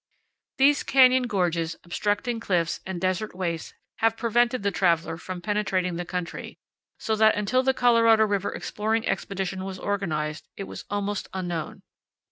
36 These canyon gorges, obstructing cliffs, and desert wastes have prevented the traveler from penetrating the country, so that until the Colorado River Exploring Expedition was organized it was almost unknown.